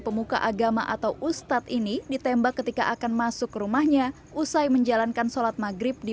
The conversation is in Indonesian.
pemuka agama atau ustadz ini ditembak ketika akan masuk ke rumahnya usai menjalankan sholat maghrib di